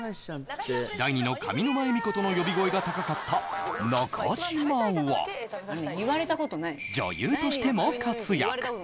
第二の上沼恵美子との呼び声も高かった中島は女優としても活躍。